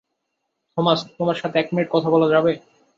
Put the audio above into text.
Thomas, তোমার সাথে এক মিনিট কথা বলা যাবে?